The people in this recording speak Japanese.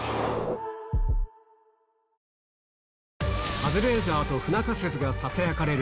カズレーザーと不仲説がささやかれる